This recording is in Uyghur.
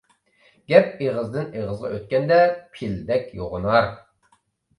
گەپ ئېغىزدىن ئېغىزغا ئۆتكەندە پىلدەك يوغىنار.